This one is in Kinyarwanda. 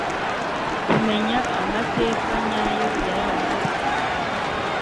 kumenya amateka nyayo yaranze urwanda,